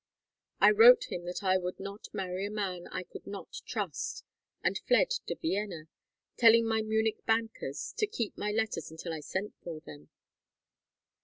I wrote him that I would not marry a man I could not trust, and fled to Vienna, telling my Munich bankers to keep my letters until I sent for them.